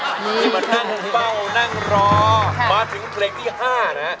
จะมานั่งเป้านั่งรอมาถึงเพลงที่๕นะครับ